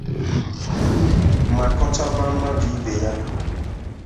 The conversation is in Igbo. ma kọchaba mmadụ ibe ya